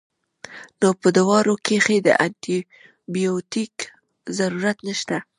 نو پۀ دواړو کښې د انټي بائيوټک ضرورت نشته